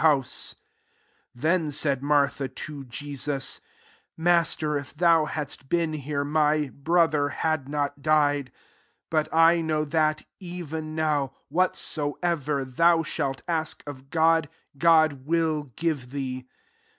21 Then said Martha to Je sus, "Master, if thou hadst been here, my brother had not died. 22 But I know that, even now, whatsoever thou shalt ask of God, God will give thee."